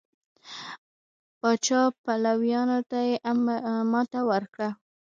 پاچا پلویانو ته یې ماتې ورکړه.